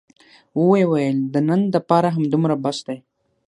ويې ويل د نن دپاره همدومره بس دى.